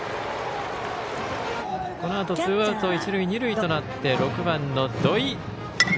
このあとツーアウト一塁二塁となって６番の土肥。